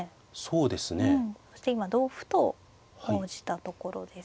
そして今同歩と応じたところです。